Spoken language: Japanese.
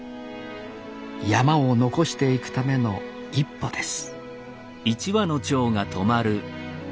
山を残していくための一歩です